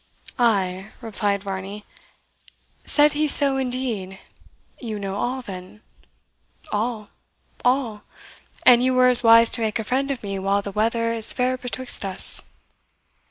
"Ay," replied Varney, "said he so, indeed? You know all, then?" "All all; and you were as wise to make a friend of me while the weather is fair betwixt us."